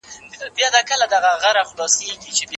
ډاکټران د خلکو لپاره سپارښتنې کوي.